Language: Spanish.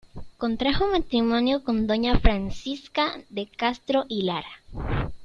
Contrajo matrimonio con doña Francisca de Castro y Lara.